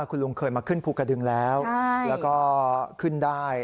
คุณลุงเคยมาขึ้นภูกระดึงแล้วแล้วก็ขึ้นได้